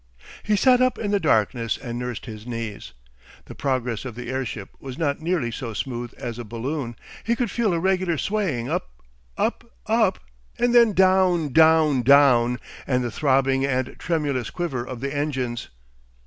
He sat up in the darkness and nursed his knees. The progress of the airship was not nearly so smooth as a balloon; he could feel a regular swaying up, up, up and then down, down, down, and the throbbing and tremulous quiver of the engines.